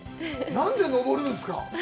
何で登るんですか？